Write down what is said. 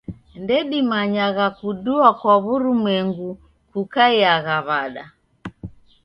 Ndedimanyagha kudua kwa w'urumwengu kukaiagha w'ada.